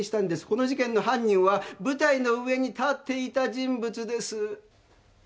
この事件の犯人は舞台の上に立っていた人物です。